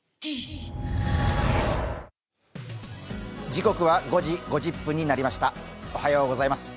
時刻は５時５０分になりました